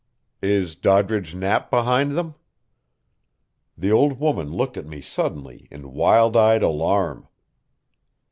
"Is Doddridge Knapp behind them?" The old woman looked at me suddenly in wild eyed alarm.